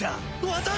私？